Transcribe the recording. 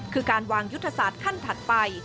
คือการวางยุทธศาสตร์ขั้นถัดไป